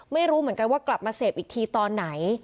ไม่รู้เหมือนกันว่ากลับมาเสพอีกทีตอนไหน